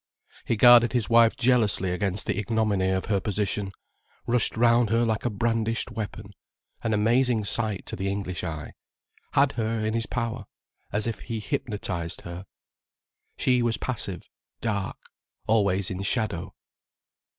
He guarded his wife jealously against the ignominy of her position, rushed round her like a brandished weapon, an amazing sight to the English eye, had her in his power, as if he hypnotized her. She was passive, dark, always in shadow.